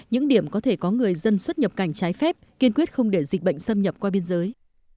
những điểm có thể có người dân xuất nhập cảnh trái phép kiên quyết không để dịch bệnh xâm nhập qua biên giới